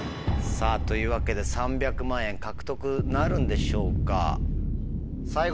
さぁというわけで３００万円獲得なるんでしょうか？